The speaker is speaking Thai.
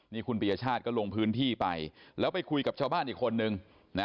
นี่คุณปียชาติก็ลงพื้นที่ไปแล้วไปคุยกับชาวบ้านอีกคนนึงนะ